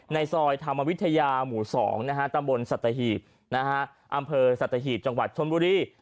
ในซอยธรรมวิทยาหมู่๒ตำบลสัตหีบอำเภอสัตหีบจังหวัดชนบุรี